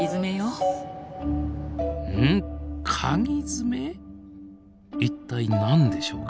一体何でしょうか。